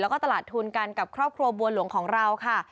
แล้วก็ตลาดทุนกันกับครอบครัวบัวหลวงของเราค่ะ